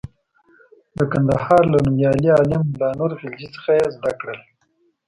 د کندهار له نومیالي عالم ملا نور غلجي څخه یې زده کړل.